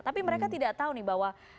tapi mereka tidak tahu nih bahwa